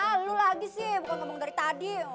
ah lo lagi sih bukan ngomong dari tadi